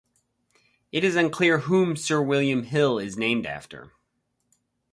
It is unclear whom Sir William Hill is named after.